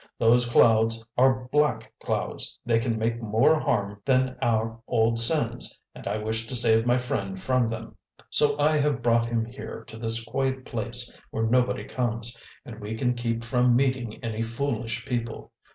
Those clouds are black clouds, they can make more harm than our old sins, and I wish to save my friend from them. So I have brought him here to this quiet place where nobody comes, and we can keep from meeting any foolish people.